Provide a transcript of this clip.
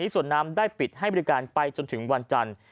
ส่วนน้ำได้ปิดให้บริการไปจนถึงวันจันทร์